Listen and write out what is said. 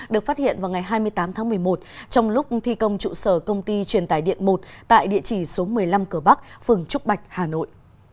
được phát hiện vào ngày hai mươi tám tháng một mươi một trong lúc thi công trụ sở công ty truyền tải điện một tại địa chỉ số một mươi năm cửa bắc phường trúc bạch hà nội